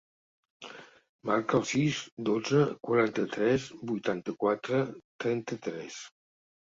Marca el sis, dotze, quaranta-tres, vuitanta-quatre, trenta-tres.